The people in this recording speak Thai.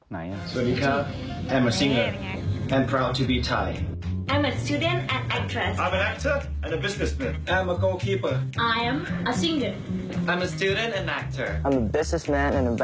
ไหนน่ะสวัสดีครับฉันเป็นภาษา